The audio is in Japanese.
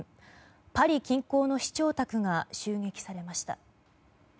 パリ近郊の市長宅が襲撃されました。